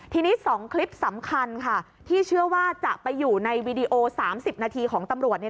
ทีนี้๒คลิปสำคัญค่ะที่เชื่อว่าจะไปอยู่ในวีดีโอ๓๐นาทีของตำรวจ